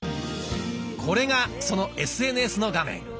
これがそのＳＮＳの画面。